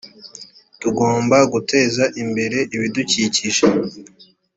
tugomba guteza imbere ibidukikije